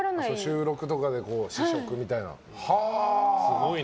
収録とかで試食みたいなね。